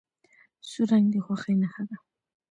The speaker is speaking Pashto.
سور رنګ د خوښۍ نښه ده.